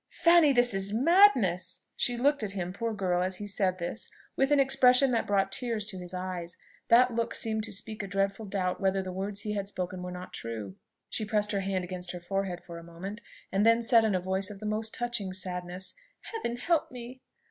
"Fanny, this is madness!" She looked at him, poor girl, as he said this, with an expression that brought tears to his eyes. That look seemed to speak a dreadful doubt whether the words he had spoken were not true. She pressed her hand against her forehead for a moment, and then said in a voice of the most touching sadness, "Heaven help me!"